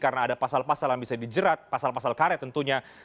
karena ada pasal pasal yang bisa dijerat pasal pasal karet tentunya